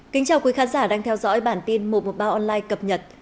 kính chào quý khán giả đang theo dõi bản tin một trăm một mươi ba online cập nhật